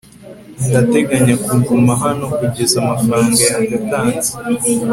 ndateganya kuguma hano kugeza amafaranga yanjye atanze